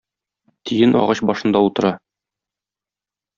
Тиен агач башында утыра.